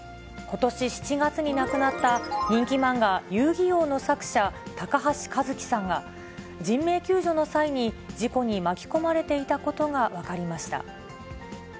ことし７月に亡くなった人気漫画、遊戯王の作者、高橋和希さんが、人命救助の際に事故に巻き込まれていたことが分かりました。